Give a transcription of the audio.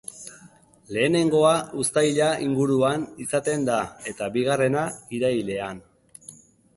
Lehenengoa uztaila inguruan izaten da eta bigarrena irailean.